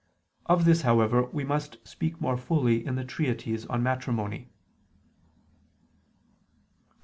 Of this, however, we must speak more fully in the treatise on Matrimony (Supp.